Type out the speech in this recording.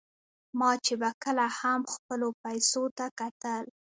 ما چې به کله هم خپلو پیسو ته کتل.